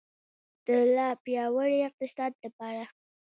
د لا پیاوړي اقتصاد لپاره.